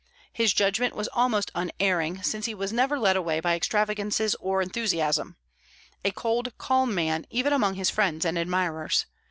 His judgment was almost unerring, since he was never led away by extravagances or enthusiasm: a cold, calm man even among his friends and admirers.